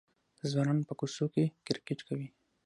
ځوانان په کوڅو کې کرکټ کوي.